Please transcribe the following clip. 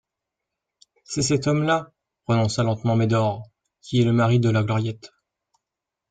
C'est cet homme-là, prononça lentement Médor, qui est le mari de la Gloriette.